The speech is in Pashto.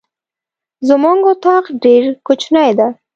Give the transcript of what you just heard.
زمونږ اطاق ډير کوچنی ده.